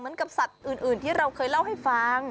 เหมือนกับสัตว์อื่นที่เราเคยเล่าให้ฟัง